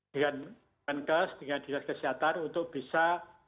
dengan kursus dengan jenis kesehatan untuk bisa